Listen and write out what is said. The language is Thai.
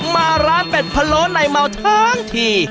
มาร้านเป็ดพะโล้ในเมาทั้งที